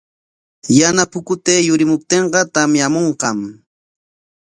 Yana pukutay yurimuptinqa tamyamunqam.